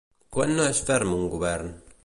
Quan no és ferm un govern?